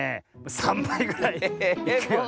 ３ばいぐらいいくよね。